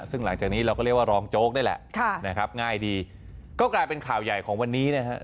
ซึ่งหลังจากนี้เราก็เรียกว่ารองโจ๊กนี่แหละนะครับง่ายดีก็กลายเป็นข่าวใหญ่ของวันนี้นะครับ